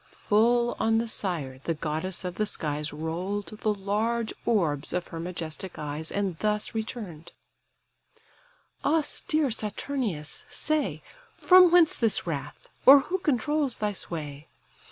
Full on the sire the goddess of the skies Roll'd the large orbs of her majestic eyes, And thus return'd:—"Austere Saturnius, say, From whence this wrath, or who controls thy sway?